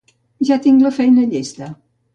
Ja tinc la feina llesta.